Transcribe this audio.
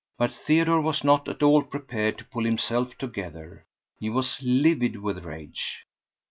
But Theodore was not at all prepared to pull himself together. He was livid with rage.